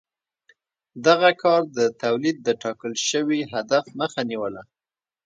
دغه کار د تولید د ټاکل شوي هدف مخه نیوله.